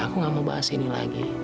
aku gak mau bahas ini lagi